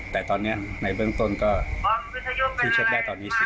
แต่ตอนนี้ในเรื่องต้นก็ที่เช็คได้ตอนนี้๑๐ปี